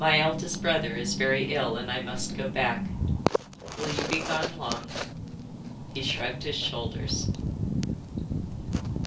My eldest brother is very ill and I must go back." "Will you be gone long?" He shrugged his shoulders.